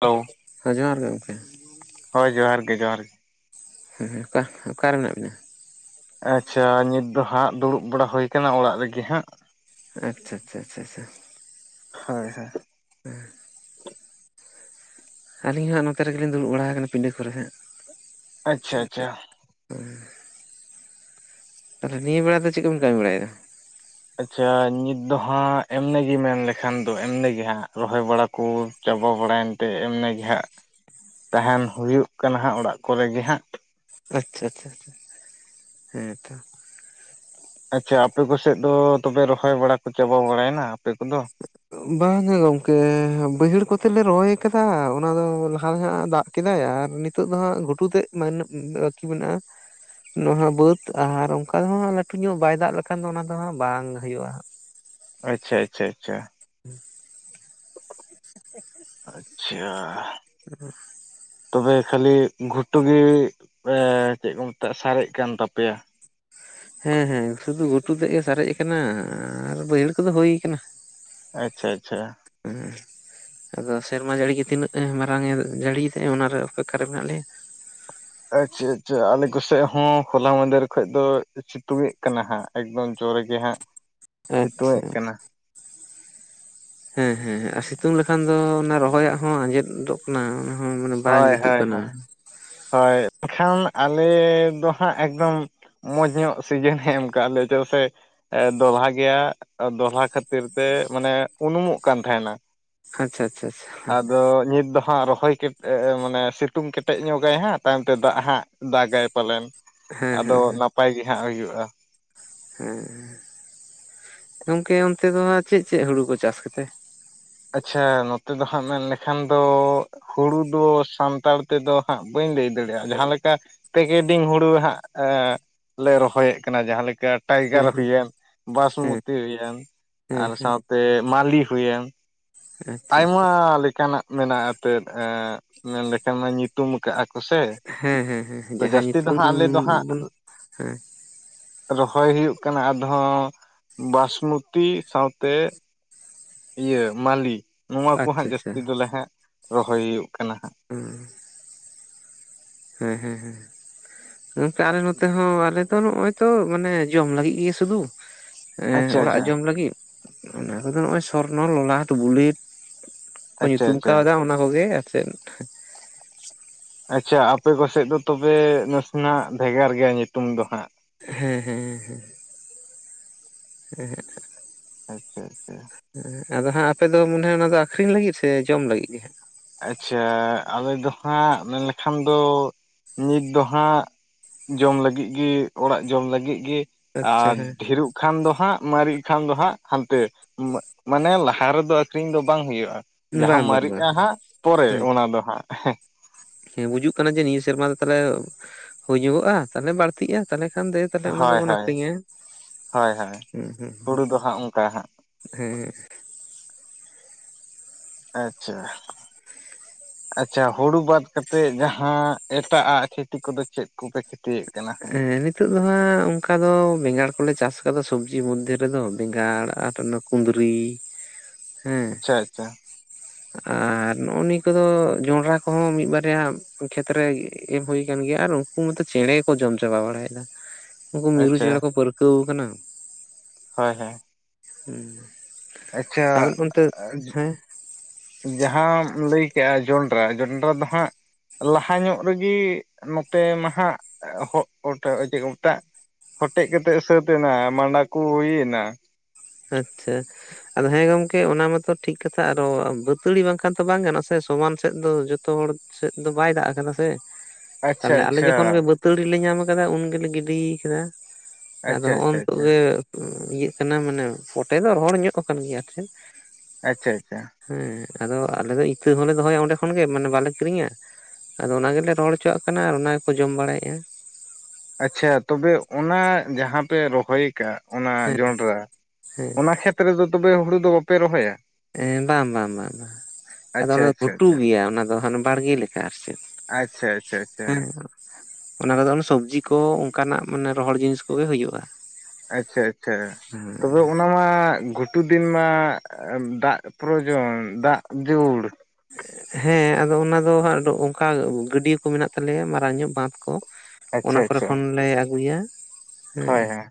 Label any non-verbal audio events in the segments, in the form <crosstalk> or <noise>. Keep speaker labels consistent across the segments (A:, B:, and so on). A: Hello
B: ᱦᱟᱸ ᱡᱚᱸᱦᱟᱨ ᱜᱮ ᱜᱚᱢᱠᱮ᱾
A: ᱦᱳᱭ ᱡᱚᱸᱦᱟᱨ ᱜᱮ ᱡᱚᱸᱦᱟᱨᱜ ᱜᱮ᱾
B: ᱦᱮᱸ ᱦᱮᱸ ᱚᱠᱟ-ᱚᱠᱟᱨᱮ ᱢᱮᱱᱟᱜ ᱵᱮᱱᱟᱜ ᱵᱤᱱᱟ?
A: ᱟᱪᱪᱷᱟ ᱱᱤᱛ ᱫᱚ ᱦᱟᱸᱜ ᱫᱩᱲᱩᱵ ᱵᱟᱲᱟ ᱦᱩᱠᱟᱱᱟ ᱚᱲᱟᱜ ᱨᱮᱜᱮ ᱦᱟᱸᱜ᱾
B: ᱟᱪᱪᱷᱟ ᱪᱷᱟ ᱪᱷᱟ ᱪᱷᱟ᱾
A: ᱦᱳᱭ ᱦᱳᱭ᱾
B: ᱦᱮᱸ᱾ ᱟᱹᱞᱤᱧ ᱦᱚᱸᱟᱸᱜ ᱱᱚᱛᱮ ᱨᱮᱜᱮᱞᱤᱧ ᱫᱩᱲᱩᱵ ᱵᱟᱲᱟ ᱟᱠᱟᱱᱟ ᱯᱤᱰᱟᱹ ᱠᱚᱨᱮ ᱦᱟᱸᱜ᱾
A: ᱟᱪᱪᱷᱟ ᱟᱪᱪᱷᱟ᱾
B: <unintelligible> ᱛᱟᱞᱦᱮ ᱱᱤᱭᱟᱹ ᱵᱮᱲᱟ ᱫᱚ ᱪᱮᱫ ᱠᱚᱵᱤᱱ ᱠᱟᱹᱢᱤ ᱵᱟᱲᱟᱭᱮᱫᱟ?
A: ᱟᱪᱪᱷᱟ ᱱᱤᱛ ᱫᱚ ᱦᱟᱸᱜ ᱮᱢᱱᱤ ᱜᱮ ᱢᱮᱱ ᱞᱮᱠᱷᱟᱱ ᱫᱚ ᱮᱢᱱᱤ ᱜᱮ ᱦᱟᱸᱜ᱾ ᱨᱚᱦᱚᱭ ᱵᱟᱲᱟ ᱠᱚ ᱪᱟᱵᱟ ᱵᱟᱲᱟᱭᱮᱱᱛᱮ ᱮᱢᱱᱤ ᱜᱮ ᱦᱟᱸᱜ ᱛᱟᱦᱮᱱ ᱦᱩᱭᱩᱜ ᱠᱟᱱᱟ ᱦᱟᱸᱜ ᱚᱲᱟᱜ ᱠᱚᱨᱮ ᱜᱮ ᱦᱟᱸᱜ᱾
B: ᱟᱪᱪᱷᱟ ᱟᱪᱪᱷᱟ ᱟᱪᱷᱟ ᱦᱮᱸ ᱛᱚ᱾
A: ᱟᱪᱪᱷᱟ ᱟᱯᱮ ᱠᱚᱥᱮᱫ ᱫᱚ ᱛᱚᱵᱮ ᱨᱚᱦᱚᱭ ᱵᱟᱲᱟ ᱠᱚ ᱪᱟᱵᱟ ᱵᱟᱲᱟᱭᱮᱱᱟ ᱟᱯᱮ ᱠᱚᱫᱚ᱾
B: ᱵᱟᱝᱟ ᱜᱮ ᱜᱚᱝᱠᱮ ᱵᱟᱹᱭᱦᱟᱹᱲ ᱠᱚᱛᱮ ᱞᱮ ᱨᱚᱦᱚᱭ ᱟᱠᱟᱫᱟ ᱚᱱᱟ ᱫᱚ ᱞᱟᱦᱟ ᱨᱮ ᱦᱟᱸᱜ ᱫᱟᱜ ᱠᱮᱫᱟᱭ ᱟᱨ ᱱᱤᱛᱚᱜ ᱫᱚ ᱦᱟᱸᱜ ᱜᱷᱩᱴᱩ ᱛᱮᱫ ᱢᱮᱱᱟᱜ ᱵᱟᱠᱤ ᱢᱮᱱᱟᱜ-ᱟ᱾ ᱱᱚᱣᱟ ᱦᱟᱸᱜ ᱵᱟᱹᱫ ᱟᱨ ᱚᱱᱠᱟ ᱫᱚ ᱦᱟᱸᱜ ᱞᱟᱹᱴᱷᱩ ᱧᱚᱜ ᱵᱟᱭ ᱫᱟᱜ ᱞᱮᱠᱷᱟᱱ ᱫᱚ ᱚᱱᱟ ᱫᱚ ᱦᱟᱸᱜ ᱵᱟᱝ ᱦᱩᱭᱩᱜᱼᱟ ᱦᱟᱸᱜ᱾
A: ᱟᱪᱪᱷᱟ ᱟᱪᱪᱷᱟ ᱟᱪᱪᱷᱟ᱾
B: ᱦᱩᱸ᱾
A: <unintelligible>
B: <inaudible>
A: ᱛᱚᱵᱮ ᱠᱷᱟᱹᱞᱤ ᱜᱷᱩᱴᱩᱜᱤ ᱮ ᱪᱮᱫ ᱠᱚ ᱢᱮᱛᱟᱜᱼᱟ ᱥᱟᱨᱮᱡ ᱟᱠ ᱛᱟᱯᱮᱭᱟ᱾
B: ᱦᱮᱸ ᱦᱮᱸ ᱥᱩᱫᱷᱩ ᱜᱷᱩᱴᱩ ᱛᱮᱫ ᱜᱮ ᱥᱟᱨᱮᱡ ᱟᱠᱟᱱᱟ ᱟᱨ ᱵᱟᱹᱭᱦᱟᱹᱲ ᱠᱚᱫᱚ ᱦᱩᱭ ᱟᱠᱟᱱᱟ᱾
A: ᱟᱪᱪᱷᱟ ᱟᱪᱪᱷᱟ᱾
B: ᱦᱩᱸ᱾ ᱟᱫᱚ ᱥᱮᱨᱢᱟ ᱡᱟᱹᱲᱤ ᱜᱮ ᱛᱤᱱᱟᱹᱜ ᱮ ᱢᱟᱨᱟᱝ ᱮ ᱡᱟᱹᱲᱤᱭ ᱮᱫᱟᱭ ᱚᱱᱟ ᱨᱮ ᱚᱯᱮᱠᱠᱟᱨ ᱨᱮ ᱢᱮᱱᱟᱜ ᱞᱮᱭᱟ᱾
A: ᱟᱪᱪᱷᱟ ᱟᱪᱪᱷᱟ᱾ ᱟᱞᱮ ᱠᱚ ᱥᱮᱫ ᱦᱚᱸ ᱦᱚᱞᱟ ᱢᱟᱦᱫᱮᱨ ᱠᱷᱚᱡ ᱫᱚ ᱥᱤᱛᱩᱝ ᱮᱜ ᱠᱟᱱᱟ ᱦᱟᱸᱜ᱾ ᱮᱠᱫᱚᱢ ᱡᱳᱨᱮ ᱜᱮ ᱦᱟᱸᱜ ᱥᱤᱛᱩᱝ
B: ᱟᱪᱪᱷᱟ
A: ᱮᱫ ᱠᱟᱱᱟ᱾
B: ᱦᱮᱸ ᱦᱮᱸ ᱟᱨ ᱥᱤᱛᱩᱝ ᱞᱮᱠᱷᱟᱱ ᱫᱚ ᱚᱱᱟ ᱨᱚᱦᱚᱭᱟᱜ ᱦᱚᱸ ᱟᱸᱡᱮᱫ ᱫᱚ ᱚᱱᱟ ᱦᱚᱸ ᱢᱟᱱᱮ ᱵᱟᱝ
A: ᱦᱳᱭ
B: ᱡᱩᱛᱩᱜ
A: ᱦᱳᱭ
B: ᱠᱟᱱᱟ᱾
A: ᱦᱳᱭ ᱦᱳᱭ᱾ ᱮᱱᱠᱷᱟᱱ ᱟᱞᱮ ᱫᱚ ᱦᱟᱸᱜ ᱮᱠᱫᱚᱢ ᱢᱚᱡᱽ ᱧᱚᱜ ᱥᱤᱡᱤᱱ ᱦᱮᱸ ᱮᱢ ᱟᱠᱟᱫ ᱞᱮᱭᱟ ᱪᱮᱫ ᱥᱮ ᱮ ᱫᱚᱞᱦᱟ ᱜᱮᱭᱟ᱾ ᱫᱚᱞᱦᱟ ᱠᱷᱟᱹᱛᱤᱨ ᱛᱮ ᱢᱟᱱᱮ ᱩᱱᱩᱢᱚᱜ ᱠᱟᱱ ᱛᱟᱦᱮᱸᱱᱟ᱾
B: ᱟᱪᱪᱷᱟ ᱟᱪᱪᱷᱟ ᱟᱪᱪᱷᱟ
A: ᱟᱫᱚ ᱱᱤᱛ ᱫᱚ ᱦᱟᱸᱜ ᱨᱚᱦᱚᱭ ᱠᱮᱴ ᱮ ᱢᱟᱱᱮ ᱥᱤᱛᱩᱝ ᱠᱮᱴᱮᱡ ᱧᱚᱜᱟᱭ ᱦᱟᱸᱜ ᱛᱟᱭᱚᱢ ᱛᱮ ᱫᱟᱜ ᱦᱟᱸᱜ ᱫᱟᱜᱟᱭ ᱯᱟᱞᱮᱱ᱾
B: ᱦᱮᱸ
A: ᱟᱫᱚ
B: ᱦᱮᱸ ᱦᱮᱸ
A: ᱱᱟᱯᱟᱭ ᱜᱮ ᱦᱟᱸᱜ ᱦᱩᱭᱩᱜᱼᱟ᱾
B: ᱦᱮᱸ᱾ ᱜᱚᱝᱠᱮ ᱚᱱᱛᱮ ᱫᱚ ᱦᱟᱸᱜ ᱪᱮᱫ ᱪᱮᱫ ᱦᱩᱲᱩ ᱠᱚ ᱪᱟᱥ ᱜᱮᱛᱮ?
A: ᱟᱪᱪᱷᱟ, ᱱᱚᱛᱮ ᱫᱚ ᱦᱟᱸᱜ ᱢᱮᱱ ᱞᱮᱠᱷᱟᱱ ᱫᱚ ᱦᱩᱲᱩ ᱫᱚ ᱥᱟᱱᱛᱟᱲ ᱛᱮ ᱫᱚ ᱦᱟᱸᱜ ᱵᱟᱹᱧ ᱞᱟᱹᱭ ᱫᱟᱲᱮᱭᱟᱜᱼᱟ᱾ ᱡᱟᱦᱟᱸ ᱞᱮᱠᱟ ᱯᱮᱠᱮᱰᱤᱝ ᱦᱩᱲᱩ ᱦᱟᱸᱜ ᱞᱮ ᱨᱚᱦᱚᱭ ᱮᱫ ᱠᱟᱱᱟ ᱡᱟᱦᱟᱸ ᱞᱮᱠᱟ ᱴᱟᱭᱜᱟᱨ
B: ᱦᱮᱸ ᱦᱮᱸ
A: ᱦᱩᱭᱮᱱ,
B: ᱦᱮᱸ
A: ᱵᱟᱥᱢᱩᱛᱤ ᱦᱩᱭᱮᱱ
B: ᱦᱮᱸ
A: ᱟᱨ
B: ᱦᱮᱸ
A: ᱥᱟᱶᱛᱮ ᱢᱟᱞᱤ ᱦᱩᱭᱮᱱ
B: <inaudible>
A: ᱟᱭᱢᱟ ᱞᱮᱠᱟ ᱱᱟᱜ ᱢᱮᱱᱟᱜᱼᱟ, ᱮᱱᱛᱮᱫ ᱢᱮᱱ ᱞᱮᱠᱷᱟᱱ ᱢᱟ ᱧᱩᱛᱩᱢ ᱟᱠᱟᱜᱼᱟ ᱠᱚ - ᱠᱚ ᱥᱮ
B: ᱦᱮᱸ ᱦᱮᱸ ᱦᱮᱸ
A: ᱛᱚ
B: ᱡᱟᱦᱟᱸ
A: ᱡᱟᱹᱥᱛᱤ ᱫᱚ
B: ᱧᱩᱛᱩᱢ
A: ᱦᱟᱸᱜ ᱟᱞᱮ ᱫᱚ ᱦᱟᱸᱜ
B: ᱵᱚᱱ ᱦᱮᱸ
A: ᱨᱚᱦᱚᱭ ᱦᱩᱭᱩᱜ ᱠᱟᱱᱟ, ᱟᱫᱚ ᱦᱟᱸᱜ ᱵᱟᱥᱢᱩᱛᱤ ᱥᱟᱶᱛᱮ ᱤᱭᱟᱹ ᱢᱟᱹᱞᱤ ᱱᱚᱣᱟ ᱠᱚ
B: ᱟᱪᱪᱷᱟ
A: ᱦᱟᱸᱜ
B: ᱟᱪᱪᱷᱟ
A: ᱡᱟᱹᱥᱛᱤ ᱫᱚᱞᱮ ᱦᱟᱸᱜ ᱨᱚᱦᱚᱭ ᱦᱩᱭᱩᱜ ᱠᱟᱱᱟ ᱾
B: ᱦᱩᱸ ᱾ ᱦᱮᱸ, ᱦᱮᱸ, ᱦᱮᱸ ᱾ ᱜᱚᱝᱠᱮ ᱟᱞᱮ ᱱᱚᱛᱮ ᱦᱚᱸ ᱟᱞᱮ ᱫᱚ ᱱᱚᱜᱼᱚᱭ ᱛᱚ ᱢᱟᱱᱮ ᱡᱚᱢ ᱞᱟᱹᱜᱤᱫ ᱜᱮ ᱥᱩᱫᱷᱩ ᱾
A: ᱟᱪᱪᱷᱟ
B: ᱚᱲᱟᱜ
A: ᱟᱪᱪᱷᱟ
B: ᱡᱚᱢ ᱞᱟᱹᱜᱤᱫ, ᱦᱩᱲᱩ ᱦᱚᱸᱜᱼᱚᱭ ᱥᱚᱨᱱᱚ, ᱞᱚᱞᱟᱴ, ᱵᱩᱞᱮᱴ ᱠᱚ
A: ᱟᱪᱪᱷᱟ
B: ᱧᱩᱛᱩᱢ
A: ᱟᱪᱪᱷᱟ
B: ᱠᱟᱣᱫᱟ ᱚᱱᱟ ᱠᱚ ᱜᱮ ᱟᱨ ᱪᱮᱫ ᱾
A: ᱟᱪᱪᱷᱟ ᱟᱯᱮ ᱠᱚ ᱥᱮᱡ ᱫᱚ ᱛᱚᱵᱮ ᱱᱟᱥᱮ ᱱᱟᱜ ᱵᱷᱮᱜᱟᱨ ᱜᱮᱭᱟ ᱧᱩᱛᱩᱢ ᱫᱚ ᱦᱟᱸᱜ ᱾
B: ᱦᱮᱸ, ᱦᱮᱸ, ᱦᱮᱸ ᱾ <inaudible>
A: ᱟᱪᱪᱷᱟ, ᱟᱪᱪᱷᱟ ᱾
B: ᱦᱮᱸ ᱟᱫᱚ ᱦᱟᱸᱜ, ᱟᱯᱮ ᱫᱚ ᱢᱚᱱᱮ ᱦᱚᱭ ᱚᱱᱟ ᱫᱚ ᱟᱹᱠᱷᱨᱤᱧ ᱞᱟᱹᱜᱤᱫ ᱥᱮ ᱡᱚᱢ ᱞᱟᱹᱜᱤᱫ ᱜᱮ ᱦᱟᱸᱜ?
A: ᱟᱪᱪᱷᱟ ᱟᱞᱮ ᱫᱚ ᱦᱟᱸᱜ ᱢᱮᱱ ᱞᱮᱠᱷᱟᱱ ᱫᱚ ᱱᱤᱛ ᱫᱚ ᱦᱟᱸᱜ ᱡᱚᱢ ᱞᱟᱹᱜᱤᱜ ᱜᱮ ᱚᱲᱟᱜ ᱡᱚᱢ ᱞᱟᱹᱜᱤᱫ ᱜᱮ,
B: ᱟᱪᱪᱷᱟ
A: ᱟᱨ
B: ᱦᱮᱸ
A: ᱰᱷᱮᱨᱚᱜ ᱠᱷᱟᱱ ᱫᱚ ᱦᱟᱸᱜ ᱢᱟᱨᱹᱤᱜ ᱠᱷᱟᱱ ᱫᱚ ᱦᱟᱸᱜ ᱦᱟᱱᱛᱮ ᱢᱟᱱᱮ ᱞᱟᱦᱟ ᱨᱮᱫᱚ ᱟᱹᱠᱷᱨᱤᱧ ᱫᱚ ᱵᱟᱝ ᱦᱩᱭᱩᱜᱼᱟ ᱾ ᱡᱟᱦᱟᱸ
B: ᱵᱟᱝ ᱵᱟᱝ ᱵᱟᱝ
A: ᱢᱟᱹᱨᱤᱜᱼᱟ ᱦᱟᱸᱜ ᱯᱚᱨᱮ
B: ᱦᱮᱸ
A: ᱚᱱᱟ ᱫᱚ ᱦᱟᱸᱜ ᱾
B: ᱦᱮᱸ ᱵᱩᱡᱩᱜ ᱠᱟᱱᱟ ᱡᱮ ᱱᱤᱭᱟᱹ ᱥᱮᱨᱢᱟ ᱫᱚ ᱛᱟᱦᱚᱞᱮ ᱦᱩᱭ ᱧᱚᱜᱚᱜᱼᱟ, ᱛᱟᱦᱚᱞᱮ ᱵᱟᱹᱲᱛᱤᱜᱼᱟ ᱛᱟᱦᱚᱞᱮ ᱠᱷᱟᱱ ᱫᱚ ᱛᱟᱦᱚᱞᱮ ᱚᱱᱟ ᱫᱚ
A: ᱦᱳᱭ
B: ᱵᱚᱱ
A: ᱦᱳᱭ
B: ᱟᱹᱠᱷᱨᱤᱧᱟ᱾
A: ᱦᱳᱭ ᱦᱳᱭ
B: ᱦᱩᱸ, ᱦᱩᱸ, ᱦᱩᱸ᱾
A: ᱦᱩᱲᱩ ᱫᱚ ᱦᱟᱸᱜ ᱚᱱᱠᱟ ᱦᱟᱸᱜ
B: ᱦᱮᱸ ᱾
A: ᱟᱪᱪᱷᱟ ᱾ ᱟᱪᱪᱷᱟ ᱦᱩᱲᱩ ᱵᱟᱫ ᱠᱟᱛᱮᱜ ᱡᱟᱦᱟᱸ ᱮᱴᱟᱜᱼᱟᱜ ᱠᱷᱮᱛᱤ ᱠᱚ ᱫᱚ ᱪᱮᱫ ᱠᱚᱯᱮ ᱠᱷᱮᱛᱤ ᱮᱫ ᱠᱟᱱᱟ ᱦᱟᱸᱜ?
B: ᱦᱮᱸ ᱱᱤᱛᱚᱜ ᱫᱚ ᱦᱟᱸᱜ ᱚᱱᱠᱟ ᱫᱚ ᱵᱮᱸᱜᱟᱲ ᱠᱚ ᱞᱮ ᱪᱟᱥ ᱟᱠᱟᱫᱟ ᱥᱚᱵᱽᱡᱤ ᱢᱚᱫᱫᱷᱮ ᱨᱮᱫᱚ, ᱵᱮᱸᱜᱟᱲ ᱟᱨ ᱚᱱᱟ ᱠᱩᱸᱫᱽᱨᱤ
A: <inaudible>
B: ᱦᱮᱸ
A: ᱟᱪᱪᱷᱟ ᱟᱪᱪᱷᱟ
B: ᱾ ᱟᱨ ᱱᱚᱜᱼᱚ ᱱᱤᱭᱟᱹ ᱠᱚ ᱫᱚ ᱡᱚᱱᱰᱨᱟ ᱠᱚ ᱦᱚᱸ ᱢᱤᱫ ᱵᱟᱨᱭᱟ ᱠᱷᱮᱛ ᱨᱮ ᱮᱨ ᱦᱩᱭ ᱟᱠᱟᱱ ᱜᱮᱭᱟ, ᱟᱨ ᱩᱱᱠᱩ ᱢᱩᱫ ᱨᱮ ᱪᱮᱸᱬᱮ ᱠᱚ ᱡᱚᱢ ᱪᱟᱵᱟ ᱵᱟᱲᱟᱭ ᱮᱫᱟ ᱾ ᱩᱱᱠᱩ ᱢᱤᱨᱩ
A: ᱟᱪᱪᱷᱟ
B: ᱪᱮᱸᱬᱮ ᱠᱚ ᱯᱟᱹᱨᱠᱟᱹᱣ ᱟᱠᱟᱱᱟ ᱾
A: ᱦᱳᱭ, ᱦᱳᱭ ᱾
B: ᱦᱮᱸ, ᱟᱵᱮᱱ ᱚᱱᱛᱮ ᱦᱮᱸ
A: ᱡᱟᱦᱟᱸ ᱟᱢ ᱞᱟᱹᱭ ᱠᱮᱜᱼᱟ ᱡᱚᱸᱰᱨᱟ, ᱡᱚᱸᱰᱨᱟ ᱫᱚ ᱦᱟᱸᱜ ᱞᱟᱦᱟ ᱧᱚᱜ ᱨᱮᱜᱮ ᱱᱚᱛᱮ ᱢᱟ ᱦᱟᱸᱜ ᱦᱚᱴ ᱚᱡᱮ ᱚᱴᱟᱜ ᱦᱚᱴᱮᱡ ᱠᱟᱛᱮᱫ ᱥᱟᱹᱛ ᱮᱱᱟ ᱢᱟᱸᱰᱟ ᱠᱚ ᱦᱩᱭᱱᱟ ᱾
B: ᱟᱪᱪᱷᱟ ᱾ ᱟᱫᱚ ᱦᱮᱸ ᱜᱚᱢᱠᱮ, ᱚᱱᱟ ᱢᱟᱛᱚ ᱴᱷᱤᱠ ᱠᱟᱛᱷᱟ ᱟᱨᱚ ᱵᱟᱹᱛᱟᱹᱲᱤ ᱵᱟᱝ ᱠᱷᱟᱱ ᱛᱚ, ᱵᱟᱝ ᱜᱟᱱᱚᱜ ᱥᱮ ᱥᱚᱢᱟᱱ ᱥᱮᱫ ᱫᱚ ᱡᱚᱛᱚ ᱦᱚᱲ ᱥᱮᱫ ᱫᱚ ᱵᱟᱭ ᱫᱟᱜ ᱠᱟᱫᱟ ᱥᱮ ᱾
A: ᱟᱪᱪᱷᱟ
B: ᱛᱟᱦᱚᱞᱮ ᱟᱞᱮ
A: ᱟᱪᱪᱷᱟ
B: ᱡᱚᱠᱷᱚᱱ ᱜᱮ ᱵᱟᱹᱛᱟᱹᱲᱤ ᱞᱮ ᱧᱟᱢ ᱟᱠᱟᱫᱟ, ᱩᱱ ᱜᱮᱞᱮ ᱜᱤᱰᱤ ᱠᱟᱫᱟ। ᱟᱫᱚ
A: ᱟᱪᱪᱷᱟ
B: ᱦᱚᱸᱜᱼᱚᱭ
A: ᱟᱪᱪᱷᱟ
B: ᱱᱤᱛᱚᱜ
A: ᱟᱪᱪᱷᱟ
B: ᱜᱮ ᱤᱭᱟᱹᱜ ᱠᱟᱱᱟ ᱢᱟᱱᱮ ᱯᱷᱚᱴᱮ ᱫᱚ ᱨᱚᱦᱚᱲᱧᱚᱜ ᱠᱟᱱ ᱜᱮᱭᱟ ᱥᱮ ᱾
A: ᱟᱪᱪᱷᱟ, ᱟᱪᱪᱷᱟ।
B: ᱦᱮᱸ ᱟᱫᱚ ᱟᱞᱮ ᱫᱚ ᱤᱛᱟᱹ ᱦᱚᱸᱞᱮ ᱫᱚᱦᱚᱭᱟ ᱚᱸᱰᱮ ᱠᱷᱚᱱᱜᱮ ᱢᱟᱱᱮ ᱵᱟᱞᱮ ᱠᱤᱨᱤᱧᱟ ᱟᱫᱚ ᱚᱱᱟ ᱜᱮᱞᱮ ᱨᱚᱲ ᱦᱚᱪᱚᱣᱟᱜ ᱠᱟᱱᱟ ᱟᱨ ᱚᱱᱟ ᱜᱮᱠᱚ ᱡᱚᱢ ᱵᱟᱲᱟᱭᱮᱫᱼᱟ ᱾
A: ᱟᱪᱪᱷᱟ ᱛᱚᱵᱮ ᱚᱱᱟ ᱡᱟᱦᱟᱸ ᱯᱮ ᱨᱚᱦᱚᱭ ᱠᱟᱜᱼᱟ ᱚᱱᱟ ᱡᱚᱱᱰᱨᱟ ᱚᱱᱟ ᱠᱷᱮᱛ ᱨᱮᱫᱚ ᱛᱚᱵᱮ ᱦᱩᱲᱩ ᱫᱚ ᱵᱟᱯᱮ ᱨᱚᱦᱚᱭᱟ?
B: ᱮᱸ ᱵᱟᱝ ᱵᱟᱝ ᱵᱟᱝ ᱵᱟᱝ ᱾ ᱟᱫᱚ
A: ᱟᱪᱪᱷᱟ
B: ᱚᱱᱟ ᱫᱚ
A: ᱟᱪᱪᱷᱟ
B: ᱜᱷᱩᱴᱩ
A: ᱟᱪᱪᱷᱟ
B: ᱜᱮᱭᱟ ᱚᱱᱟ ᱫᱚ ᱦᱟᱱᱮ ᱵᱟᱲᱜᱮ ᱞᱮᱠᱟ ᱟᱨ ᱪᱮᱫ ᱾
A: ᱟᱪᱪᱷᱟ ᱟᱪᱪᱷᱟ ᱟᱪᱪᱷᱟ ᱾
B: ᱚᱱᱟ ᱨᱮᱫᱚ ᱚᱱᱮ ᱥᱚᱵᱡᱤ ᱠᱚ ᱚᱱᱠᱟᱱᱟᱜ ᱢᱟᱱᱮ ᱨᱚᱦᱚᱲ ᱡᱤᱱᱤᱥ ᱠᱚᱜᱮ ᱦᱩᱭᱩᱜᱼᱟ ᱾
A: ᱟᱪᱪᱷᱟ ᱟᱪᱪᱷᱟ ᱛᱚᱵᱮ ᱚᱱᱟ ᱚᱱᱟ ᱢᱟ ᱜᱷᱩᱴᱩ ᱫᱤᱱ ᱢᱟ ᱫᱟᱜ ᱯᱩᱨᱟᱹᱭ ᱡᱚᱢ ᱫᱟᱜ ᱡᱩᱲ ᱾
B: ᱦᱮᱸ ᱟᱫᱚ ᱚᱱᱟ ᱫᱚ ᱦᱟᱸᱜ ᱚᱱᱠᱟ ᱜᱟᱹᱰᱭᱟᱹ ᱠᱚ ᱢᱮᱱᱟᱜ ᱛᱟᱞᱮᱭᱟ ᱢᱟᱨᱟᱝ ᱧᱚᱜ ᱵᱟᱸᱫᱷ ᱠᱚ ᱚᱱᱟ
A: ᱟᱪᱪᱷᱟ
B: ᱠᱚᱨᱮ
A: ᱟᱪᱪᱷᱟ
B: ᱠᱷᱚᱱ ᱞᱮ ᱟᱹᱜᱩᱭᱟ ᱦᱮᱸ
A: ᱦᱳᱭ
B: ᱾
A: ᱦᱳᱭ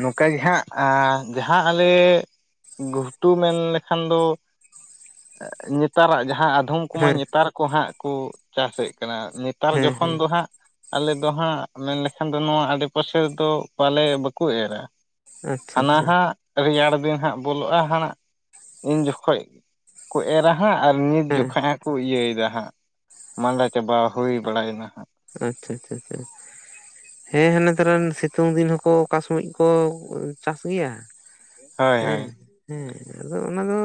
A: ᱱᱚᱝᱠᱟ ᱜᱮ ᱦᱟᱸᱜ ᱡᱟᱦᱟᱸ ᱟᱞᱮ ᱜᱷᱥᱴᱩ ᱢᱮᱱ ᱞᱮᱠᱷᱟᱱ ᱫᱚ ᱱᱮᱛᱟᱨᱟᱜ ᱡᱟᱦᱟᱸ <unintelligible> ᱠᱚᱢᱟ
B: ᱦᱮᱸ
A: ᱱᱮᱛᱟᱨ ᱠᱚ ᱦᱟᱸᱜ ᱠᱚ ᱪᱟᱥᱮᱫ ᱠᱟᱱᱟ ᱱᱮᱛᱟᱨ
B: ᱦᱮᱸ
A: ᱡᱚᱠᱷᱚᱱ
B: ᱦᱮᱸ
A: ᱫᱚ ᱦᱟᱸᱜ ᱟᱞᱮ ᱫᱚ ᱦᱟᱸᱜ ᱢᱮᱱ ᱞᱮᱠᱷᱟᱱ ᱫᱚ ᱱᱚᱣᱟ ᱟᱰᱮ ᱯᱟᱥᱮ ᱨᱮᱫᱚ ᱵᱟᱞᱮ ᱵᱟᱠᱚ ᱮᱨᱟ,
B: ᱟᱪᱪᱷᱟ
A: ᱦᱟᱱᱟ
B: ᱟᱪᱪᱷᱟ
A: ᱦᱟᱸᱜ ᱨᱮᱭᱟᱲ ᱫᱤᱱ ᱦᱟᱸᱜ ᱵᱚᱞᱚᱜᱼᱟ ᱦᱟᱱᱟ ᱩᱱ ᱡᱚᱠᱷᱚᱡ ᱠᱚ ᱮᱨᱟ ᱦᱟᱸᱜ ᱟᱨ ᱱᱤᱛ
B: ᱦᱮᱸ
A: ᱡᱚᱠᱷᱚᱡ ᱦᱟᱸᱜ ᱠᱚ ᱤᱭᱟᱹᱭᱮᱫᱟ ᱦᱟᱸᱜ ᱢᱟᱸᱰᱟ ᱪᱟᱵᱟ ᱦᱩᱭ ᱵᱟᱲᱟᱭᱮᱱᱟ ᱦᱟᱸᱜ ᱾
B: ᱟᱪᱪᱷᱟ ᱟᱪᱪᱷᱟ ᱟᱪᱪᱷᱟ ᱾ ᱦᱮᱸ ᱦᱮᱸ ᱱᱮᱛᱟᱨᱟᱱ ᱥᱤᱛᱩᱝ ᱫᱤᱱ ᱦᱚᱸᱠᱚ ᱟᱠᱟᱥᱢᱚᱡ ᱠᱚ ᱪᱟᱥ ᱜᱮᱭᱟ
A: ᱦᱳᱭ
B: ᱦᱮᱸ
A: ᱦᱳᱭ
B: ᱦᱮᱸ ᱟᱫᱚ ᱚᱱᱟ ᱫᱚᱻ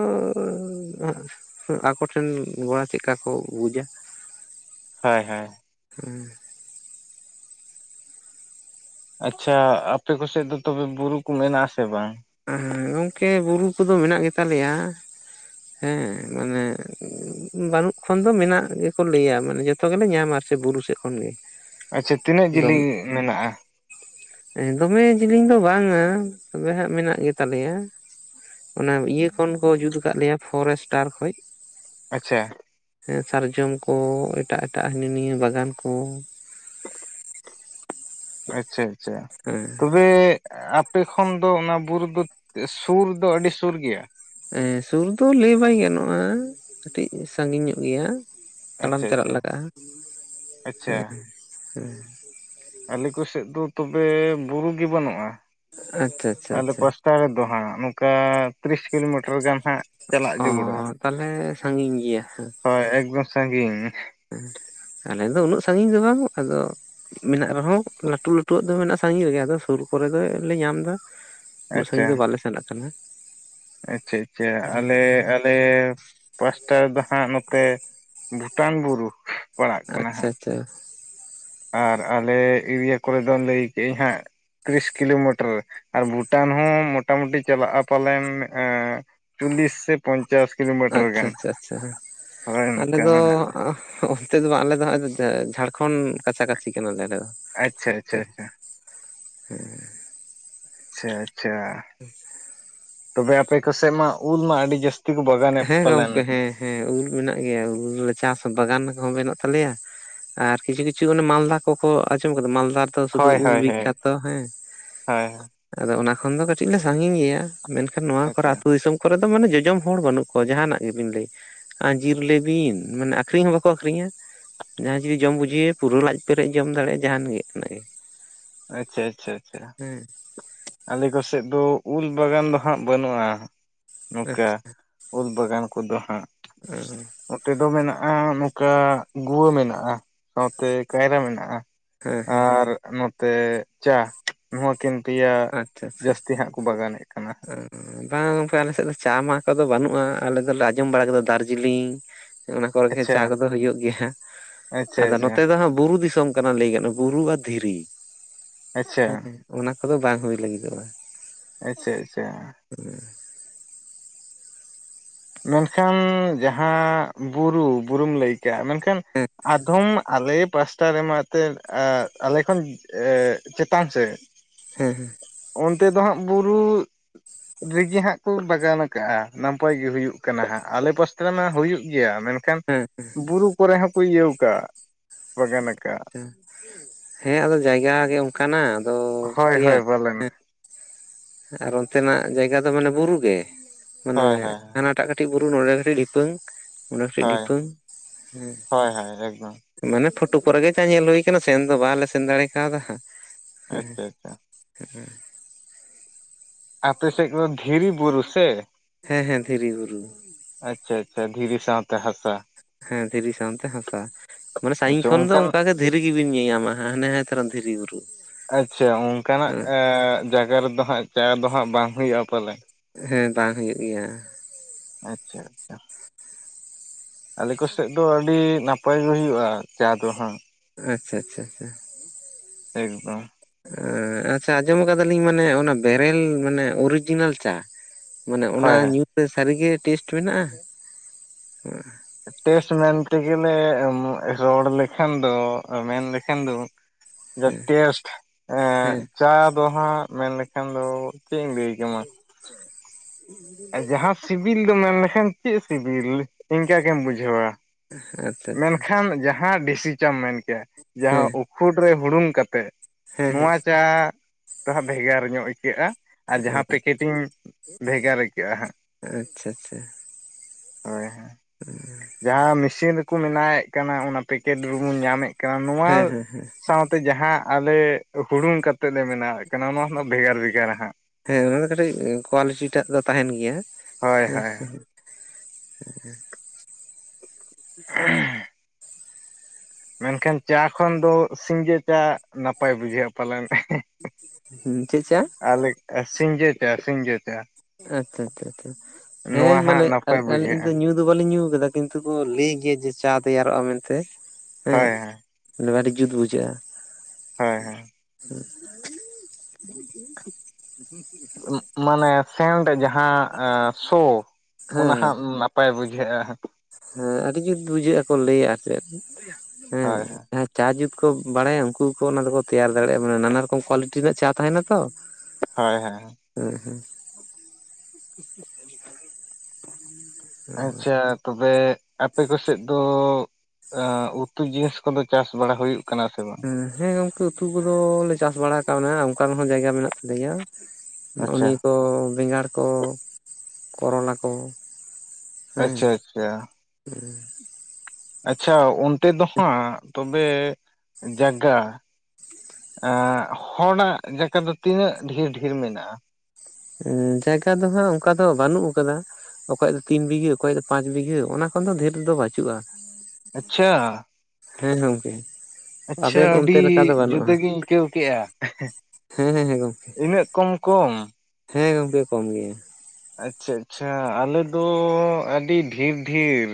B: ᱟᱠᱚ ᱴᱷᱮᱱ ᱜᱚᱲᱟ ᱪᱮᱫᱠᱟ ᱠᱚ ᱵᱩᱡᱟ ᱾
A: ᱦᱳᱭ ᱦᱳᱭ ᱾
B: ᱦᱮᱸ᱾
A: ᱟᱪᱪᱷᱟ ᱟᱯᱮ ᱠᱚᱥᱮᱫ ᱫᱚ ᱛᱚᱵᱮ ᱵᱩᱨᱩ ᱠᱚ ᱢᱮᱱᱟᱜᱼᱟ ᱥᱮ ᱵᱟᱝ?
B: ᱦᱮᱸ ᱜᱚᱢᱠᱮ ᱵᱩᱨᱩ ᱠᱚᱫᱚ ᱢᱮᱱᱟᱜ ᱜᱮ ᱛᱟᱞᱮᱭᱟ ᱦᱮᱸ ᱢᱟᱱᱮ ᱵᱟᱹᱱᱩᱜ ᱠᱷᱚᱱ ᱫᱚ ᱢᱮᱱᱟᱜ ᱜᱮᱠᱚ ᱞᱟᱹᱭᱟ ᱢᱟᱱᱮ ᱡᱚ ᱡᱚᱛᱚ ᱜᱮᱞᱮ ᱧᱟᱢᱟ ᱥᱮ ᱵᱩᱨᱩ ᱥᱮᱫ ᱠᱷᱚᱱ ᱜᱮ ᱾
A: ᱟᱪᱪᱷᱟ ᱛᱤᱱᱟᱹᱜ ᱡᱤᱞᱤᱧ ᱢᱮᱱᱟᱜᱼᱟ?
B: ᱮᱸ ᱫᱚᱢᱮ ᱡᱤᱞᱤᱧ ᱫᱚ ᱵᱟᱝᱟ ᱛᱚᱵᱮ ᱦᱟᱸᱜ ᱢᱮᱱᱟᱜ ᱜᱮ ᱛᱟᱞᱮᱭᱟ ᱚᱱᱟ ᱤᱭᱟᱹ ᱠᱷᱚᱱ ᱠᱚ ᱡᱩᱛ ᱟᱠᱟᱫ ᱞᱮᱭᱟ ᱯᱷᱚᱨᱮᱥᱴᱟᱨ ᱠᱷᱚᱡ ᱾
A: ᱟᱪᱪᱷᱟ ᱾
B: ᱦᱮᱸ ᱥᱟᱨᱡᱚᱢ ᱠᱚ ᱮᱴᱟᱜ ᱮᱴᱟᱜ ᱦᱤᱱᱟᱹ ᱱᱤᱭᱟᱹ ᱵᱟᱜᱟᱱ ᱠᱚ ᱾
A: ᱟᱪᱪᱷᱟ ᱟᱪᱪᱷᱟ ᱾
B: ᱦᱮᱸ ᱾
A: ᱛᱚᱵᱮ ᱟᱯᱮ ᱠᱷᱚᱱ ᱫᱚ ᱚᱱᱟ ᱵᱩᱨᱩ ᱫᱚ ᱥᱩᱨ ᱫᱚ ᱟᱹᱰᱤ ᱥᱩᱨ ᱜᱮᱭᱟ?
B: ᱮᱸ ᱥᱩᱨ ᱫᱚ ᱞᱟᱹᱭ ᱵᱟᱭ ᱜᱟᱱᱚᱜᱼᱟ ᱠᱟᱹᱴᱤᱡ ᱥᱟᱺᱜᱤᱧ ᱧᱚᱜ ᱜᱮᱭᱟ, ᱛᱟᱲᱟᱢ
A: ᱟᱪᱪᱷᱟ
B: ᱪᱟᱞᱟᱜ
A: ᱟᱪᱪᱷᱟ
B: ᱞᱟᱜᱟᱜᱼᱟ
A: ᱟᱪᱪᱷᱟ
B: ᱦᱮᱸ ᱦᱮᱸ ᱾
A: ᱟᱞᱮ ᱠᱚ ᱥᱮᱫ ᱫᱚ ᱛᱚᱵᱮ ᱵᱩᱨᱩ ᱜᱮ ᱵᱟᱹᱱᱩᱜᱼᱟ ᱾
B: ᱟᱪᱪᱷᱟ ᱟᱪᱪᱷᱟ ᱟᱪᱪᱷᱟ ᱾
A: ᱛᱟᱞᱮ ᱫᱚ ᱦᱟᱸᱜ ᱱᱚᱝᱠᱟ ᱛᱤᱨᱤᱥ ᱠᱤᱞᱳᱢᱤᱴᱟᱨ ᱜᱟᱱ ᱦᱟᱸᱜ ᱪᱟᱞᱟᱜ
B: ᱚ
A: ᱡᱩᱣᱩᱲᱟ
B: ᱛᱟᱦᱚᱞᱮ ᱥᱟᱺᱜᱤᱧ ᱜᱮᱭᱟ
A: ᱾ ᱦᱳᱭ ᱮᱠᱫᱚᱢ ᱥᱟᱺᱜᱤᱧ ᱾
B: ᱟᱞᱮ ᱫᱚ ᱩᱱᱟᱹᱜ ᱥᱟᱺᱜᱤᱧ ᱫᱚ ᱵᱟᱝ ᱟᱫᱚ ᱢᱮᱱᱟᱜ ᱨᱮᱦᱚᱸ ᱞᱟᱹᱴᱩ ᱞᱟᱹᱴᱩᱣᱟᱜ ᱫᱚ ᱢᱮᱱᱟᱜᱼᱟ ᱥᱟᱺᱜᱤᱧ ᱨᱮᱜᱮ ᱟᱫᱚ ᱥᱩᱨ ᱠᱚᱨᱮ ᱫᱚᱞᱮ ᱧᱟᱢ ᱮᱫᱟ ᱾ ᱩᱱᱟᱹᱜ
A: ᱟᱪᱪᱷᱟ
B: ᱥᱟᱺᱜᱤᱧ ᱫᱚ ᱵᱟᱞᱮ ᱪᱟᱞᱟᱜ ᱠᱟᱱᱟ ᱾
A: ᱟᱪᱪᱷᱟ ᱟᱪᱪᱷᱟ ᱟᱞᱮ ᱟᱜᱼᱼ ᱞᱮ ᱯᱟᱥᱴᱟ ᱫᱚ ᱦᱟᱸᱜ ᱱᱚᱛᱮ ᱵᱷᱩᱴᱟᱱ ᱵᱩᱨᱩ ᱾
B: ᱟᱪᱪᱷᱟ ᱟᱪᱪᱷᱟ ᱟᱪᱪᱷᱟ ᱾
A: ᱟᱨ ᱟᱞᱮ ᱮᱨᱤᱭᱟ ᱠᱚᱨᱮ ᱫᱚ ᱞᱟᱹᱭ ᱠᱮᱭᱟᱹᱧ ᱦᱟᱸᱜ ᱾ ᱛᱤᱨᱤᱥ ᱠᱤᱞᱳᱢᱤᱴᱟᱨ, ᱟᱨ ᱵᱷᱩᱴᱟᱱ ᱦᱚᱸ ᱢᱳᱴᱟᱢᱩᱴᱤ ᱪᱟᱞᱟᱜᱼᱟ ᱯᱟᱞᱮᱱ ᱮᱸᱻ ᱪᱚᱞᱞᱤᱥ ᱥᱮ ᱯᱚᱧᱪᱟᱥ ᱠᱤᱞᱳᱢᱤᱴᱟᱨ
B: ᱟᱪᱪᱷᱟ
A: ᱜᱟᱱ,
B: ᱟᱪᱪᱷᱟ ᱟᱪᱪᱷᱟ
A: ᱦᱳᱭ
B: ᱟᱞᱮ
A: ᱱᱚᱝᱠᱟ
B: ᱫᱚ
A: ᱢᱮᱱᱟᱜᱼᱟ ᱾
B: ᱚᱱᱛᱮ ᱫᱚ ᱵᱟᱝ ᱟᱞᱮ ᱫᱚ ᱦᱟᱸᱜ ᱡᱷᱟᱲᱠᱷᱚᱸᱰ ᱠᱟᱪᱷᱟ ᱠᱟᱪᱷᱤ ᱠᱟᱱᱟᱞᱮ ᱟᱞᱮ ᱫᱚ
A: ᱟᱪᱪᱷᱟ ᱟᱪᱪᱷᱟ
B: ᱦᱮᱸ
A: ᱟᱪᱪᱷᱟ
B: ᱾ ᱦᱮᱸ <unintelligible>
A: ᱟᱪᱪᱷᱟ ᱟᱪᱪᱷᱟ, ᱛᱚᱵᱮ ᱟᱯᱮ ᱠᱚ ᱥᱮᱫ ᱢᱟ ᱩᱞ ᱢᱟ ᱟᱹᱰᱤ ᱡᱟᱹᱥᱛ ᱠᱚ ᱵᱚᱜᱟᱱᱮᱫ
B: ᱦᱮᱸ
A: ᱯᱟᱞᱮᱱ?
B: ᱜᱚᱢᱠᱮ ᱦᱮᱸ ᱦᱮᱸ ᱩᱞ ᱢᱮᱱᱟᱜ ᱜᱮᱭᱟ, ᱩᱞ ᱪᱟᱥ ᱵᱟᱜᱟᱱ ᱠᱚᱦᱚᱸ ᱢᱮᱱᱟᱜ ᱛᱟᱞᱮᱭᱟ ᱾ ᱟᱨ ᱠᱤᱪᱷᱩ ᱠᱤᱪᱷᱩ ᱚᱱᱮ ᱢᱟᱞᱫᱟ ᱠᱚᱠᱚ ᱟᱸᱡᱚᱢ ᱠᱟᱫᱟ ᱢᱟᱞᱫᱟ ᱛᱚ ᱥᱩᱫᱩ
A: ᱦᱳᱭ
B: ᱩᱞ
A: ᱦᱳᱭ ᱦᱳᱭ
B: ᱵᱤᱠᱠᱷᱟᱛᱚ ᱦᱮᱸ
A: ᱦᱳᱭ
B: ᱼᱼ ᱟᱫᱚ ᱚᱱᱟ ᱠᱷᱚᱱ ᱫᱚ ᱠᱟᱹᱴᱤᱡ ᱞᱮ ᱥᱟᱺᱜᱤᱧ ᱜᱮᱭᱟ, ᱢᱮᱱᱠᱷᱟᱱ ᱱᱚᱣᱟ ᱠᱚᱨᱮ
A: ᱟᱪᱪᱷᱟ
B: ᱟᱹᱛᱩ ᱫᱤᱥᱚᱢ ᱠᱚᱨᱮ ᱫᱚ ᱢᱟᱱᱮ ᱡᱚᱡᱚᱢ ᱦᱚᱲ ᱵᱟᱹᱱᱩᱜ ᱠᱚᱣᱟ ᱡᱟᱦᱟᱱᱟᱜ ᱜᱮᱵᱤᱱ ᱞᱟᱹᱭ ᱟᱸᱡᱤᱨ ᱞᱟᱹᱭ ᱵᱤᱱ ᱢᱟᱱᱮ ᱟᱹᱠᱷᱨᱤᱧ ᱦᱚᱸ ᱵᱟᱠᱚ ᱟᱹᱠᱷᱨᱤᱧᱟ ᱾ ᱡᱟᱦᱟᱸᱭ ᱡᱩᱫᱤ ᱡᱚᱢ ᱵᱩᱡᱷᱟᱹᱣ ᱮᱭᱟ ᱯᱩᱨᱟᱹ ᱞᱟᱡ ᱯᱮᱨᱮᱡ ᱡᱚᱢ ᱫᱟᱲᱮᱭᱟᱜᱼᱟ, ᱡᱟᱦᱟᱸᱱᱟᱜ ᱜᱮ ᱠᱟᱱ ᱜᱮ ᱾
A: ᱟᱪᱪᱷᱟ ᱟᱪᱪᱷᱟ ᱟᱪᱪᱷᱟ ᱾
B: ᱦᱩᱸ ᱾
A: ᱟᱞᱮ ᱠᱚᱥᱮᱫ ᱫᱚ ᱩᱞ ᱵᱟᱜᱟᱱ ᱫᱚ ᱦᱟᱸᱜ ᱵᱟᱹᱱᱩᱜᱼᱟ,
B: ᱟᱪᱪᱷᱟ
A: ᱱᱚᱝᱠᱟ ᱩᱞ ᱵᱟᱜᱟᱱ ᱠᱚᱫᱚ ᱦᱟᱸᱜᱼᱼ
B: <unintelligible>
A: ᱱᱚᱛᱮ ᱫᱚ ᱢᱮᱱᱟᱜᱼᱟ ᱱᱚᱝᱠᱟ ᱜᱩᱣᱟᱹ ᱢᱮᱱᱟᱜᱼᱟ, ᱥᱟᱶᱛᱮ ᱠᱟᱭᱨᱟ ᱢᱮᱱᱟᱜᱼᱟ ᱾
B: ᱦᱮᱸ ᱦᱮᱸ ᱾
A: ᱱᱚᱛᱮ ᱪᱟ, ᱱᱚᱣᱟ ᱠᱤᱱ ᱯᱮᱭᱟ
B: ᱟᱪᱪᱷᱟ ᱟᱪᱪᱷᱟ
A: ᱡᱟᱹᱥᱛᱤ ᱦᱟᱸᱜ ᱠᱚ ᱵᱟᱜᱟᱱᱮᱫ ᱠᱟᱱᱟ ᱾
B: ᱵᱟᱝ ᱜᱚᱝᱠᱮ ᱟᱞᱮ ᱥᱮᱫ ᱫᱚ ᱪᱟ ᱢᱟ ᱠᱚᱫᱚ ᱵᱟᱹᱱᱩᱜᱼᱟ, ᱟᱞᱮ ᱫᱚᱞᱮ ᱟᱸᱡᱚᱢ ᱵᱟᱲᱟ ᱠᱟᱫᱟ ᱫᱟᱨᱡᱤᱞᱤᱝ ᱚᱱᱟ ᱠᱚᱨᱮ ᱜᱮ ᱪᱟ
A: ᱟᱪᱪᱷᱟ
B: ᱠᱚᱫᱚ ᱦᱩᱭᱩᱜ ᱜᱮᱭᱟ,
A: ᱟᱪᱪᱷᱟ
B: ᱟᱫᱚ
A: ᱟᱪᱪᱷᱟ
B: ᱱᱚᱛᱮ ᱫᱚ ᱦᱟᱸᱜ ᱵᱩᱨᱩ ᱫᱤᱥᱚᱢ ᱡᱮᱢᱚᱱ ᱞᱟᱹᱭ ᱜᱟᱱᱚᱜᱼᱟ ᱵᱩᱨᱩ ᱟᱨ ᱫᱷᱤᱨᱤ,
A: ᱟᱪᱪᱷᱟ
B: ᱦᱮᱸ ᱚᱱᱟ ᱠᱚᱫᱚ ᱵᱟᱝ ᱦᱩᱭ ᱞᱟᱹᱜᱤᱫᱚᱜᱼᱟ ᱾
A: ᱟᱪᱪᱷᱟ ᱟᱪᱪᱷᱟ ᱾
B: <unintelligible>
A: ᱢᱮᱱᱠᱷᱟᱱ ᱡᱟᱦᱟᱸ ᱵᱩᱨᱩ, ᱵᱩᱨᱩᱢ ᱞᱟᱹᱭ ᱠᱮᱜᱼᱟ, ᱢᱮᱱᱠᱷᱟᱱ
B: ᱦᱮᱸ
A: ᱟᱫᱷᱚᱢ ᱟᱞᱮ ᱯᱟᱥ <unintelligible> ᱮ ᱟᱞᱮ ᱠᱷᱚᱱ ᱪᱮᱛᱟᱱ ᱥᱮᱫ ᱾
B: ᱦᱮᱸ ᱦᱮᱸ ᱾
A: ᱚᱱᱛᱮ ᱫᱚ ᱦᱟᱸᱜ ᱵᱩᱨᱩ ᱨᱮᱜᱮ ᱦᱟᱸᱜ ᱠᱚ ᱵᱟᱜᱟᱱ ᱠᱟᱜᱼᱟ, ᱱᱟᱯᱟᱭ ᱜᱮ ᱦᱩᱭᱩᱜ ᱠᱟᱱᱟ ᱦᱟᱸᱜ, ᱟᱞᱮ ᱯᱟᱥᱴᱟ ᱨᱮᱢᱟ ᱦᱩᱭᱩᱜ ᱜᱮᱭᱟ ᱢᱮᱱᱠᱷᱟᱱ
B: ᱦᱮᱸ
A: ᱵᱩᱨᱩ ᱠᱚᱨᱮ ᱦᱚᱸᱠᱚ ᱤᱭᱟᱹᱣ ᱠᱟᱜᱼᱟ, ᱵᱟᱜᱟᱱ ᱠᱟᱜᱼᱟ ᱾
B: ᱦᱮᱸ ᱟᱫᱚ ᱡᱟᱭᱜᱟ ᱜᱮ ᱚᱱᱠᱟᱱᱟ ᱟᱫᱚ
A: ᱦᱳᱭ
B: ᱪᱤᱠᱟᱹᱭᱟ
A: ᱦᱳᱭ ᱯᱟᱞᱮᱱ
B: ᱦᱮᱸ ᱟᱨ ᱚᱱᱛᱮᱱᱟᱜ ᱡᱟᱭᱜᱟ ᱫᱚ ᱢᱟᱱᱮ ᱵᱩᱨᱩ ᱜᱮ, ᱢᱟᱱᱮ
A: ᱦᱳᱭ ᱦᱳᱭ
B: ᱦᱟᱱᱟ ᱴᱟᱜ ᱠᱟᱹᱴᱤᱡ ᱵᱩᱨᱩ ᱱᱚᱸᱰᱮ ᱠᱟᱹᱴᱤᱡ ᱰᱷᱤᱯᱟᱹᱝ, ᱚᱸᱰᱮ ᱠᱟᱹᱴᱤᱡ
A: ᱦᱳᱭ
B: ᱰᱷᱤᱯᱟᱹᱝ ᱾
A: ᱦᱳᱭ ᱦᱳᱭ ᱮᱠᱫᱚᱢ
B: ᱦᱮᱸ ᱢᱟᱱᱮ ᱯᱷᱚᱴᱚ ᱠᱚᱨᱮ ᱜᱮ ᱡᱟ ᱧᱮᱞ ᱦᱩᱭ ᱠᱟᱱᱟ ᱥᱮᱱ ᱫᱚ ᱵᱟᱞᱮ ᱥᱮᱱ ᱫᱟᱲᱮ ᱠᱟᱣᱫᱟ ᱦᱮᱸ ᱾ ᱦᱮᱸ
A: ᱟᱪᱪᱷᱟ ᱟᱪᱪᱷᱟ
B: <unintelligible>
A: ᱟᱯᱮ ᱥᱮᱫ ᱫᱚ ᱫᱷᱤᱨᱤ ᱵᱩᱨᱩ ᱥᱮ?
B: ᱦᱮᱸ ᱦᱮᱸ ᱫᱷᱤᱨᱤ ᱵᱩᱨᱩ ᱾
A: ᱟᱪᱪᱷᱟ ᱟᱪᱪᱷᱟ ᱫᱷᱤᱨᱤ ᱥᱟᱶᱛᱮ ᱦᱟᱸᱥᱟ ᱾
B: ᱦᱮᱸ ᱫᱷᱤᱨᱤ ᱥᱟᱶᱛᱮ ᱦᱟᱸᱥᱟ ᱢᱟᱱᱮ ᱥᱟᱺᱜᱤᱧ
A: ᱟᱪᱪᱷᱟ
B: ᱠᱷᱚᱱ ᱫᱚ
A: ᱚᱱᱠᱟᱱ
B: ᱚᱱᱠᱟᱜᱮ ᱫᱷᱤᱨᱤ ᱜᱤᱵᱤᱱ ᱧᱮᱞ ᱧᱟᱢᱟ ᱦᱟᱱᱮ ᱛᱚᱨᱟᱱ ᱫᱷᱤᱨᱤ ᱵᱩᱨᱩ ᱾
A: ᱟᱪᱪᱷᱟ ᱚᱱᱠᱟᱱᱟᱜ ᱮ ᱡᱟᱭᱜᱟ ᱨᱮᱫᱚ ᱦᱟᱸᱜ ᱪᱟ ᱫᱚ ᱦᱟᱸᱜ ᱵᱟᱝ ᱦᱩᱭᱩᱜᱼᱟ ᱯᱟᱞᱮ ᱾
B: ᱦᱮᱸ ᱵᱟᱝ ᱦᱩᱭᱩᱜ ᱜᱮᱭᱟ ᱾
A: ᱟᱪᱪᱷᱟ ᱟᱪᱪᱷᱟ ᱾ ᱟᱞᱮ ᱠᱚ ᱥᱮᱫ ᱫᱚ ᱟᱹᱰᱤ ᱱᱟᱯᱟᱭ ᱜᱮ ᱦᱩᱭᱩᱜᱼᱟ ᱪᱟ ᱫᱚ ᱦᱟᱸᱜ ᱾
B: ᱟᱪᱪᱷᱟ ᱟᱪᱪᱷᱟ ᱟᱪᱪᱷᱟ ᱾
A: ᱮᱠᱫᱚᱢ ᱾
B: ᱟᱪᱪᱷᱟ ᱟᱡᱚᱢ ᱟᱠᱟᱫᱟ ᱞᱤᱧ ᱢᱟᱱᱮ ᱚᱱᱟ ᱵᱮᱨᱮᱞ ᱢᱟᱱᱮ ᱚᱨᱤᱡᱤᱱᱟᱞ ᱪᱟ ᱢᱟᱱᱮ ᱚᱱᱟ
A: ᱦᱳᱭ ᱦᱳᱭ
B: ᱧᱩ ᱛᱮ ᱥᱟᱹᱨᱤ ᱜᱮ ᱴᱮᱥᱴ ᱢᱮᱱᱟᱜᱼᱟ?
A: ᱴᱮᱥ ᱢᱮᱱ ᱛᱮ ᱜᱮᱞᱮ ᱨᱚᱲ ᱞᱮᱠᱷᱟᱱ ᱫᱚ ᱢᱮᱱᱞᱠᱷᱟᱱ ᱫᱚ ᱡᱟ
B: ᱦᱮᱸ
A: ᱴᱮᱥᱴ ᱮᱸ
B: ᱦᱮᱸ
A: ᱪᱟ ᱫᱚ ᱦᱟᱸᱜ ᱢᱮᱱᱞᱠᱷᱟᱱ ᱫᱚ ᱪᱮᱫ ᱤᱧ ᱞᱟᱹᱭ ᱠᱮᱢᱟ, ᱡᱟᱦᱟᱸ ᱥᱤᱵᱤᱞ ᱫᱚ ᱢᱮᱱ ᱞᱮᱠᱷᱟᱱ ᱪᱮᱫ ᱥᱤᱵᱤᱞ ᱤᱱᱠᱟᱹ ᱜᱮᱢ ᱵᱩᱡᱷᱟᱹᱣᱟ
B: ᱟᱪᱪᱷᱟ
A: ᱾
B: ᱟᱪᱪᱷᱟ
A: ᱢᱮᱱᱠᱷᱟᱱ ᱡᱟᱦᱟᱸ ᱰᱤᱥᱤ ᱪᱟᱢ ᱢᱮᱱ ᱠᱮᱫ ᱡᱟᱦᱟᱸ
B: ᱦᱮᱸ
A: ᱩᱠ ᱠᱷᱩᱰ ᱨᱮ ᱦᱩᱲᱩᱝ ᱠᱟᱛᱮᱫ
B: ᱦᱮᱸ ᱦᱮᱸ
A: ᱱᱚᱣᱟ ᱪᱟ ᱫᱚ ᱦᱟᱸᱜ ᱵᱷᱮᱜᱟᱨ ᱧᱚᱜ ᱟᱹᱭᱠᱟᱹᱜᱼᱟ ᱾ ᱟᱨ ᱡᱟᱦᱟᱸ ᱯᱮᱠᱮᱴᱤᱝ ᱵᱷᱮᱜᱟᱨ ᱟᱹᱭᱠᱟᱹᱜᱼᱟ ᱦᱟᱸᱜ
B: ᱟᱪᱪᱷᱟ ᱟᱪᱪᱷᱟ ᱾
A: ᱦᱳᱭ ᱡᱟᱦᱟᱸ ᱢᱮᱥᱤᱱ ᱢᱮᱱᱟᱣᱮᱫ ᱠᱟᱱᱟ ᱚᱱᱟ ᱯᱮᱠᱮᱴ ᱨᱮᱵᱚᱱ ᱧᱟᱢᱮᱫ ᱠᱟᱱᱟ ᱱᱚᱣᱟ
B: ᱦᱮᱸ ᱦᱮᱸ ᱦᱮᱸ
A: ᱥᱟᱶ ᱛᱮ ᱡᱟᱦᱟᱸ ᱟᱞᱮ ᱦᱩᱲᱩᱝ ᱠᱟᱛᱮᱫ ᱞᱮ ᱵᱮᱱᱟᱣᱮᱫ ᱠᱟᱱᱟ ᱱᱚᱣᱟ ᱵᱷᱮᱜᱟᱨ ᱵᱷᱮᱜᱟᱨ ᱦᱟᱸᱜ ᱾
B: ᱦᱮᱸ ᱚᱱᱟ ᱫᱚ ᱠᱟᱹᱴᱤᱡ ᱠᱳᱣᱟᱞᱤᱴᱤ ᱴᱟᱜ ᱫᱚ ᱛᱟᱸᱦᱮᱱ ᱜᱮᱭᱟ ᱾
A: ᱦᱳᱭ ᱦᱳᱭ ᱾
B: <unintelligible>
A: ᱢᱮᱱᱠᱷᱟᱱ ᱪᱟ ᱠᱷᱚᱱ ᱫᱚ ᱥᱤᱸᱡᱮ ᱪᱟ ᱱᱟᱯᱟᱭ ᱵᱩᱡᱷᱟᱹᱜᱼᱟ ᱯᱟᱞᱮᱱ ᱾
B: ᱦᱩᱸ ᱪᱮᱫ ᱪᱟ?
A: ᱟᱞᱮ ᱥᱤᱸᱡᱮ ᱪᱟ ᱥᱤᱸᱡᱮ ᱪᱟ᱾
B: ᱟᱪᱪᱷᱟ ᱟᱪᱪᱷᱟ ᱟᱪᱪᱷᱟ,
A: ᱱᱚᱣᱟ
B: ᱦᱮᱸ
A: ᱦᱟᱸᱜ
B: ᱢᱟᱱᱮ
A: ᱱᱟᱯᱟᱭ
B: ᱤᱧ
A: ᱵᱩᱡᱷᱟᱹᱜᱼᱟ
B: ᱫᱚ ᱧᱩ ᱫᱚ ᱵᱟᱹᱞᱤᱧ ᱧᱩ ᱠᱟᱫᱟ ᱠᱤᱱᱛᱩ ᱠᱚ ᱞᱟᱹᱭ ᱜᱮᱭᱟ ᱡᱮ ᱪᱟ ᱛᱮᱭᱟᱨᱚᱜᱼᱟ ᱢᱮᱱᱛᱮ,
A: ᱦᱳᱭ ᱦᱳᱭ
B: ᱦᱮᱸ ᱟᱹᱰᱤ ᱡᱩᱛ ᱵᱩᱡᱷᱟᱹᱜᱼᱟ᱾
A: ᱦᱳᱭ ᱦᱳᱭ
B: <unintelligible> <unintelligible>
A: ᱢᱟᱱᱮ ᱥᱮᱱᱰ ᱡᱟᱦᱟᱸ ᱥᱚ ᱚᱱᱟ
B: ᱦᱮᱸ
A: ᱦᱟᱸᱜ ᱱᱟᱯᱟᱭ ᱵᱩᱡᱷᱟᱹᱜᱼᱟ ᱾
B: ᱦᱮᱸ ᱟᱹᱰᱤ ᱡᱩᱛ ᱵᱩᱡᱷᱟᱹᱜ ᱟᱠᱚ ᱞᱟᱹᱭᱟ ᱟᱨ ᱪᱮᱫ
A: ᱦᱳᱭ ᱦᱳᱭ
B: ᱦᱮᱸ᱾ ᱪᱟ ᱡᱩᱛ ᱠᱚ ᱵᱟᱲᱟᱭᱟ ᱩᱱᱠᱩ ᱜᱮ ᱠᱚ ᱚᱱᱟ ᱫᱚᱠᱚ ᱛᱮᱭᱟᱨ ᱫᱟᱲᱮᱭᱟᱜᱼᱟ ᱢᱟᱱᱮ ᱱᱟᱱᱟ ᱨᱚᱠᱚᱢ ᱠᱳᱣᱟᱞᱤᱴᱤ ᱨᱮᱱᱟᱜ ᱪᱟ ᱛᱟᱸᱦᱮᱱᱟ ᱛᱚ ᱾
A: ᱦᱳᱭ ᱦᱳᱭ᱾
B: <unintelligible>
A: ᱟᱪᱪᱷᱟ ᱛᱚᱵᱮ ᱟᱯᱮ ᱠᱚ ᱥᱮᱫ ᱫᱚ ᱩᱛᱩ ᱡᱤᱱᱤᱥ ᱠᱚᱫᱚ ᱪᱟᱥ ᱵᱟᱲᱟ ᱦᱩᱭᱩᱜ ᱠᱟᱱᱟ ᱥᱮ ᱵᱟᱝ?
B: ᱦᱮᱸ ᱜᱚᱝᱠᱮ ᱩᱛᱩ ᱠᱚᱫᱚᱞᱮ ᱪᱟᱥ ᱵᱟᱲᱟ ᱠᱟᱣᱱᱟ ᱚᱱᱠᱟ ᱨᱮᱦᱚᱸ ᱡᱟᱭᱜᱟ ᱢᱮᱱᱟᱜ ᱛᱟᱞᱮᱭᱟ᱾ ᱦᱚᱸᱜ
A: ᱟᱪᱪᱷᱟ
B: ᱱᱤᱭᱟᱹ ᱠᱚ, ᱵᱮᱸᱜᱟᱲ ᱠᱚ, ᱠᱚᱨᱚᱞᱟ ᱠᱚ ᱾
A: ᱟᱪᱪᱷᱟ ᱟᱪᱪᱷᱟ ᱾
B: <unintelligible>
A: ᱟᱪᱪᱷᱟ ᱚᱱᱛᱮ ᱫᱚ ᱦᱟᱸᱜ ᱛᱚᱵᱮ ᱡᱟᱜᱟ ᱮᱸᱻ ᱦᱚᱲᱟᱜ ᱡᱟᱜᱟ ᱫᱚ ᱛᱤᱱᱟᱹᱜ ᱰᱷᱤᱨ ᱰᱷᱤᱨ ᱢᱮᱱᱟᱜᱼᱟ?
B: ᱡᱟᱭᱜᱟ ᱫᱚ ᱦᱟᱸᱜ ᱚᱱᱠᱟ ᱫᱚ ᱵᱟᱹᱱᱩᱜ ᱟᱠᱟᱫᱟ᱾ ᱚᱠᱚᱭᱟᱜ ᱫᱚ ᱛᱤᱱ ᱵᱤᱜᱷᱟᱹ ᱚᱠᱚᱭᱟᱜ ᱫᱚ ᱯᱟᱸᱪ ᱵᱤᱜᱷᱟᱹ ᱚᱱᱟ ᱠᱷᱚᱱ ᱫᱚ ᱰᱷᱮᱨ ᱫᱚ ᱵᱟᱹᱪᱩᱜᱼᱟ᱾
A: ᱟᱪᱪᱷᱟ᱾
B: ᱦᱮᱸ ᱜᱚᱝᱠᱮ᱾
A: ᱟᱪᱪᱷᱟ
B: ᱟᱵᱮᱱ ᱚᱱᱛᱮ
A: ᱟᱹᱰᱤ
B: ᱞᱮᱠᱟ ᱫᱚ ᱵᱟᱹᱱᱩᱜᱼᱟ
A: ᱡᱩᱫᱟᱹᱜᱤᱧ ᱟᱹᱭᱠᱟᱹᱣ ᱠᱮᱫᱼᱟ
B: ᱦᱮᱸ ᱦᱮᱸ ᱦᱮᱸ ᱜᱚᱝᱠᱮ
A: <inaudible> ᱤᱱᱟᱹᱜ ᱠᱚᱢ ᱠᱚᱢ
B: ᱦᱮᱸ ᱜᱚᱝᱠᱮ ᱠᱚᱢ ᱜᱮᱭᱟ ᱾
A: ᱟᱪᱪᱷᱟ ᱟᱪᱪᱷᱟ ᱟᱞᱮ ᱫᱚ ᱟᱹᱰᱤ ᱰᱷᱤᱨ ᱰᱷᱤᱨ